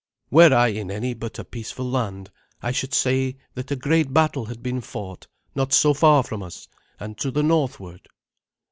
Were I in any but a peaceful land, I should say that a great battle had been fought not so far from us, and to the northward."